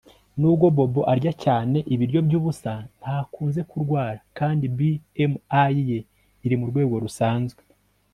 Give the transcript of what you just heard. Nubwo Bobo arya cyane ibiryo byubusa ntakunze kurwara kandi BMI ye iri murwego rusanzwe